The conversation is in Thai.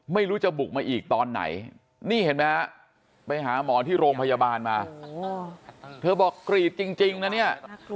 ไม่รู้จะบุกมาอีกตอนไหนนี่เห็นไหมฮะไปหาหมอที่โรงพยาบาลมาเธอบอกกรีดจริงนะเนี่ย